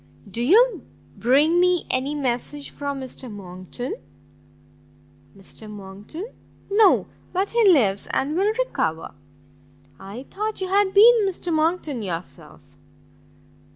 "Do you bring me any message from Mr Monckton?" "From Mr Monckton? no; but he lives and will recover." "I thought you had been Mr Monckton yourself."